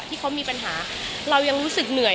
ที่เขามีปัญหาเรายังรู้สึกเหนื่อย